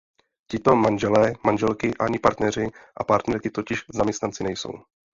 Tito manželé, manželky ani partneři a partnerky totiž zaměstnanci nejsou.